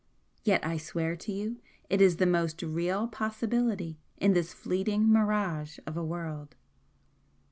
yet I swear to you it is the most REAL possibility in this fleeting mirage of a world!"